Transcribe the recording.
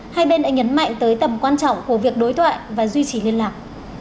hai bên đã nhấn mạnh tới tầm quan trọng của việc đối thoại và duy trì liên lạc